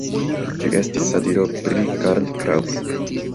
Ĝi estis satiro pri Karl Kraus.